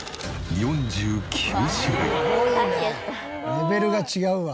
レベルが違うわ。